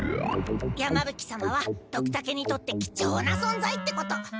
山ぶ鬼様はドクタケにとって貴重な存在ってこと。